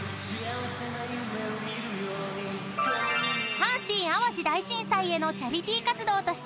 ［阪神・淡路大震災へのチャリティー活動として］